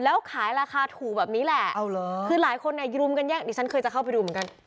แล้วขายราคาถูกแบบนี้แหละคือหลายคนเนี่ยรุมกันแย่งดิฉันเคยจะเข้าไปดูเหมือนกัน